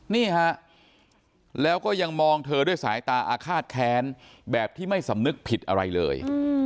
นี่ฮะแล้วก็ยังมองเธอด้วยสายตาอาฆาตแค้นแบบที่ไม่สำนึกผิดอะไรเลย